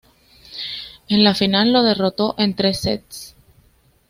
En la final lo derrotó en tres sets.